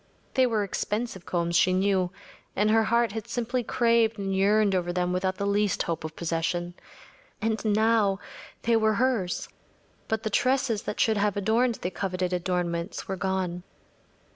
They were expensive combs, she knew, and her heart had simply craved and yearned over them without the least hope of possession. And now, they were hers, but the tresses that should have adorned the coveted adornments were gone.